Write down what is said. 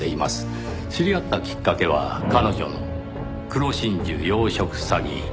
知り合ったきっかけは彼女の黒真珠養殖詐欺。